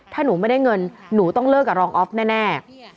ถ้าหนูไม่ได้เงินหนูต้องเลิกกับรองออฟแน่